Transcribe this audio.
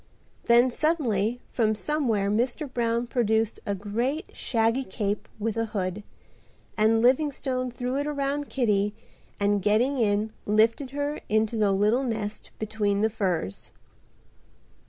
Then suddenly from somewhere Mr. Brown produced a great, shaggy cape with a hood, and Livingstone threw it around Kitty and getting in lifted her into the little nest between the furs.